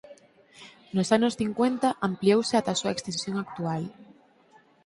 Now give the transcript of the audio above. Nos anos cincuenta ampliouse ata a súa extensión actual.